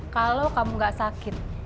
kalau kamu gak sakit